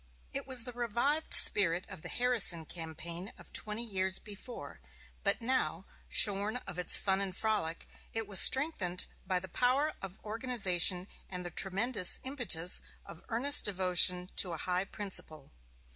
It was the revived spirit of the Harrison campaign of twenty years before; but now, shorn of its fun and frolic, it was strengthened by the power of organization and the tremendous impetus of earnest devotion to a high principle.